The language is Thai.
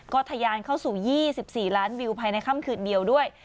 ก็ทะยานเข้าสู่๒๔ล้านวิวภายในค่ำคืนเดียวด้วย